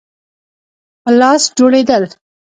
په لاس جوړېدل.